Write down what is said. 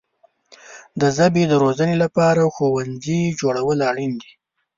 د ژبې د روزنې لپاره ښوونځي جوړول اړین دي.